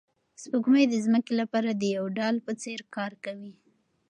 سپوږمۍ د ځمکې لپاره د یو ډال په څېر کار کوي.